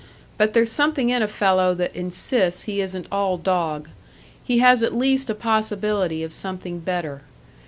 But there's something in a fellow that insists he isn't all dog; he has at least a possibility of something better.